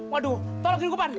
waduh tolongin gua ipan